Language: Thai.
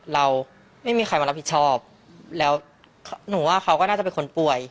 เราไม่มีใครมารับผิดชอบแล้วหนูว่าเขาก็น่าจะเป็นคนป่วย